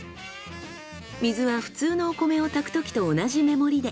水は普通のお米を炊くときと同じ目盛りで。